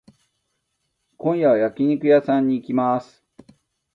今夜は焼肉屋さんに行きます。